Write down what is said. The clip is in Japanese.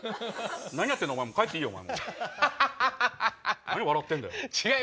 何やってんの、帰っていいよ、お前。